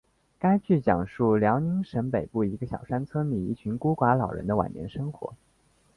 该剧讲述辽宁省北部一个小山村里一群孤寡老人的晚年生活。